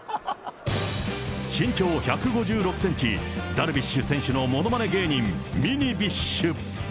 身長１５６センチ、ダルビッシュ選手のものまね芸人、ミニビッシュ。